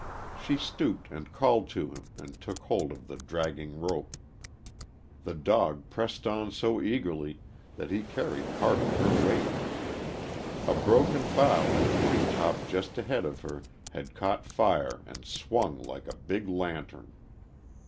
She stooped and called to him and took hold of the dragging rope. The dog pressed on so eagerly that he carried part of her weight. A broken bough in a tree top just ahead of her had caught fire and swung like a big lantern.